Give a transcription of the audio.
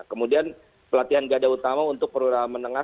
kemudian pelatihan gada utama untuk perwira menengah